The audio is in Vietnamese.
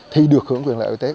thì được hưởng quyền lợi y tế